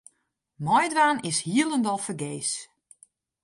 Meidwaan is hielendal fergees.